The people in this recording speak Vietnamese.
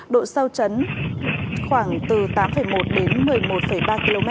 độ sao trấn khoảng từ tám một đến một mươi một ba km